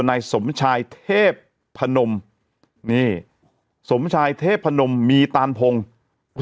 นายสมชายเทพพนมนี่สมชายเทพนมมีตานพงศ์